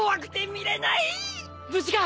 無事か！